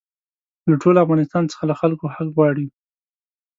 له ټول افغانستان څخه له خلکو حق غواړي.